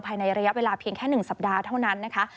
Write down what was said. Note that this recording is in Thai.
ภายในระยะเวลาเพียงแค่๑สัปดาห์เท่านั้นนะคะ